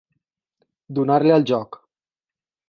Donar-li el joc.